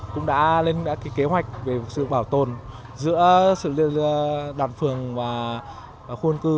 cũng đã lên kế hoạch về sự bảo tồn giữa đoàn phường và khuôn cư